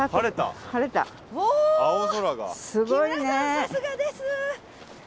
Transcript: さすがです！